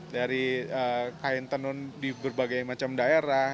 dari kain tenun di berbagai macam daerah